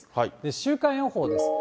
週間予報です。